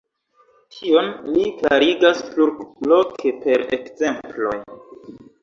Tion li klarigas plurloke per ekzemploj.